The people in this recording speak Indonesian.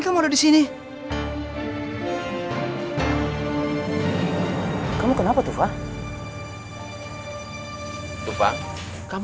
tidur di sana